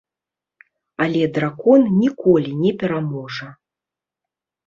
Але дракон ніколі не пераможа.